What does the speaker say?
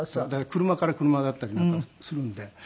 車から車だったりなんかするので。